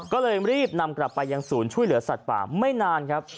ก็เลยรีบนำกลับไปยังศูนย์ช่วยเหลือสัตว์ป่าไม่นานครับ